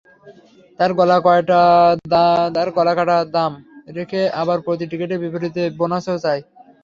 তারা গলা কাটা দাম রেখে আবার প্রতি টিকিটের বিপরীতে বোনাসও চায়।